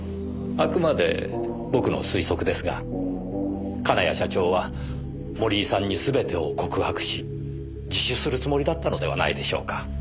あくまで僕の推測ですが金谷社長は森井さんにすべてを告白し自首するつもりだったのではないでしょうか。